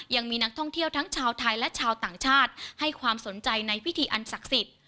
ยังมีนักท่องเที่ยวทั้งชาวไทยและชาวต่างชาติให้ความสนใจในพิธีอันศักดิ์สิทธิ์